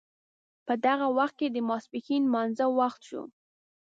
په دغه وخت کې د ماپښین لمانځه وخت شو.